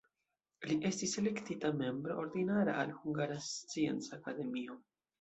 Li estis elektita membro ordinara al Hungara Scienca Akademio.